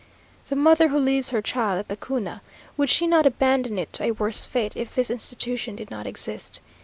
The mother who leaves her child at the Cuna, would she not abandon it to a worse fate, if this institution did not exist?